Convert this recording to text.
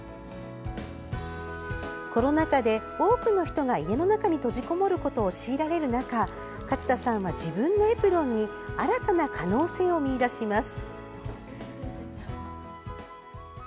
コロナ禍で、多くの人が家の中に閉じこもることを強いられる中勝田さんは自分のエプロンに新たな可能性を見いだします。